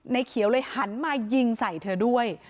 เขียวเลยหันมายิงใส่เธอด้วย